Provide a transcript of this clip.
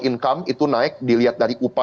income itu naik dilihat dari upah